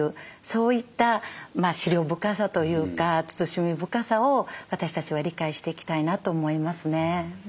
そういった思慮深さというか慎み深さを私たちは理解していきたいなと思いますね。